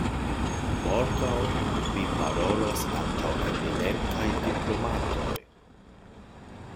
Morgaŭ Vi parolos antaŭ eminentaj diplomatoj!